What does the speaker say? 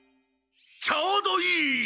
ちょうどいい！